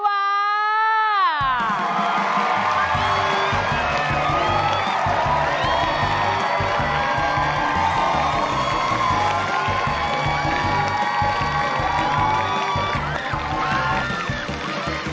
สวัสดีค่ะคุณแพวา